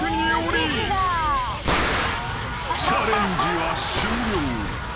［チャレンジは終了］